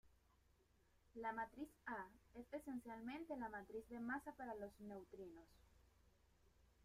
La matriz "A" es esencialmente la matriz de masa para los neutrinos.